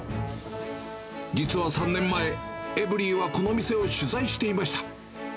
実は３年前、エブリィはこの店を取材していました。